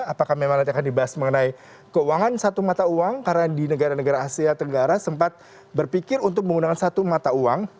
apakah memang nanti akan dibahas mengenai keuangan satu mata uang karena di negara negara asia tenggara sempat berpikir untuk menggunakan satu mata uang